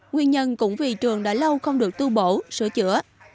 nguyên nhân cũng vì trường đã lâu không được tu bổ sửa chữa